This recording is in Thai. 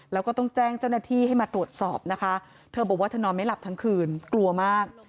แล้วก็ต้องแจ้งเจ้าหน้าที่ให้มาตรวจสอบนะคะเธอบอกว่าเธอนอนไม่หลับทั้งคืนกลัวมาก